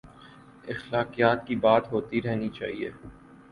اخلاقیات کی بات ہوتی رہنی چاہیے۔